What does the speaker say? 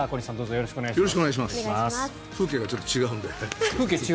よろしくお願いします。